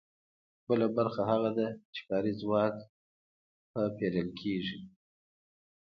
بله برخه هغه ده چې کاري ځواک پرې پېرل کېږي